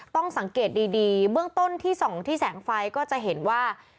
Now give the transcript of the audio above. ต้องสังเกตดีเบื้องต้นที่ส่องที่แสงไฟก็จะเห็นว่า